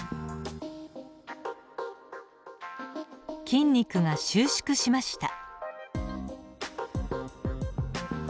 筋肉が収縮しました。